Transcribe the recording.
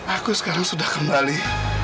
aku sekarang sudah kembali